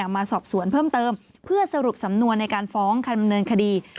มาสอบสวนเพิ่มเติมเพื่อสรุปสำนวนในการฟ้องคำดำเนินคดี